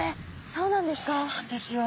そうなんですよ。